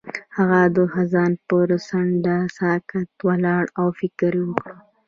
هغه د خزان پر څنډه ساکت ولاړ او فکر وکړ.